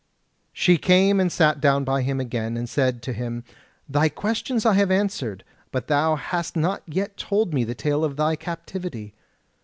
She came and sat down by him again, and said to him: "Thy questions I have answered; but thou hast not yet told me the tale of thy captivity."